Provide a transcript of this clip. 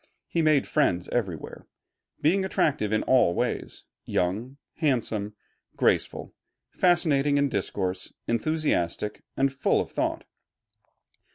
He made friends everywhere, being attractive in all ways, young, handsome, graceful, fascinating in discourse, enthusiastic, and full of thought.